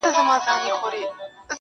ټول بکواسیات دي~